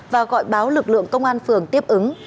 và gọi báo lực lượng công an phường tiếp ứng